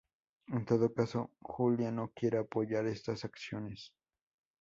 En todo caso, Julia no quiere apoyar estas acciones.